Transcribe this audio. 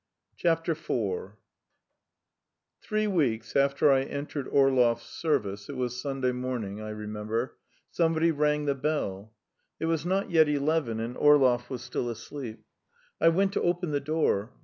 IV[edit] Three weeks after I entered Orlov's service it was Sunday morning, I remember somebody rang the bell. It was not yet eleven, and Orlov was still asleep. I went to open the door.